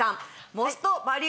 モストバリュ